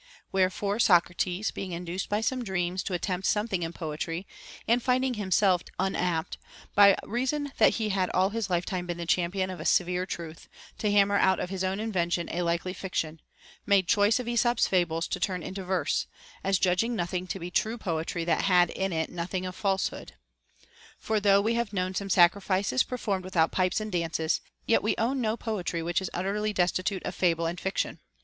Wherefore Socrates, being induced by some dreams to at tempt something in poetry, and finding himself unapt, by reason that he had all his lifetime been the champion of severe truth, to hammer out of his own invention a likely fiction, made choice of Esop's fables to turn into verse ; as judging nothing to be true poetry that had in it nothing of falsehood. For though we have known some sacrifices performed without pipes and dances, yet we own no poetry which is utterly destitute of fable and fiction.